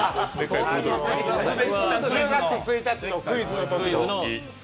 １０月１日のクイズの。